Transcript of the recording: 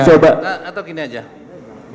sudah dikatakan oleh saksi devi